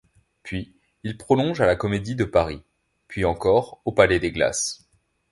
Puis il prolonge à la comédie de Paris; puis encore aux Palais des Glaces.